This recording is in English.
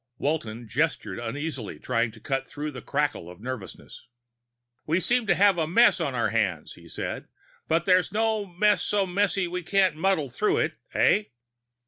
Walton gestured uneasily, trying to cut through the crackle of nervousness. "We seem to have a mess on our hands," he said. "But there's no mess so messy we can't muddle through it, eh?"